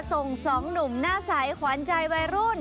ส่งสองหนุ่มหน้าใสขวานใจวัยรุ่น